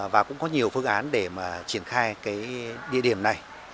và cũng có nhiều phương án để mà triển khai cái địa điểm này